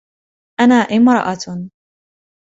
أنا امرأة.